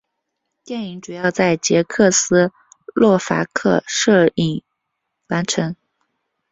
电影主要在捷克斯洛伐克摄制完成。